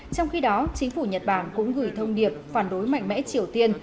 trong khi đó chính phủ nhật bản cũng gửi thông điệp phản đối mạnh mẽ triều tiên